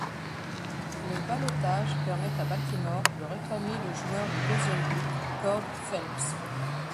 Le ballottage permet à Baltimore de réclamer le joueur de deuxième but Cord Phelps.